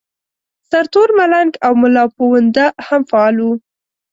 سرتور ملنګ او ملاپوونده هم فعال وو.